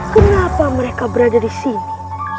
kenapa mereka berada di sini